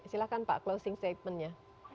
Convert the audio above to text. silakan pak closing statement nya